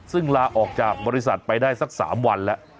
ซึ่งลาออกจากบริษัทไปได้สัก๓วันแล้ว